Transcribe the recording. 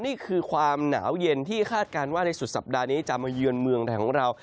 นี่คือความหนาวเย็นที่คาดการณ์ว่าในสุดสัปดาห์นี้จะมาเยือนเมืองไทยของเรา